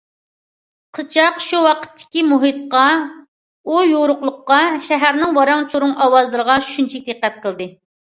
قىزچاق شۇ ۋاقىتتىكى مۇھىتقا، ئۇ يورۇقلۇققا، شەھەرنىڭ ۋاراڭ- چۇرۇڭ ئاۋازلىرىغا شۇنچىلىك دىققەت قىلدى.